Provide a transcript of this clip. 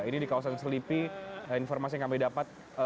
ini di kawasan selipi informasi yang kami dapat